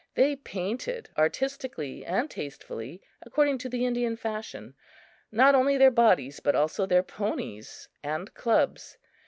They painted artistically and tastefully, according to the Indian fashion, not only their bodies but also their ponies and clubs.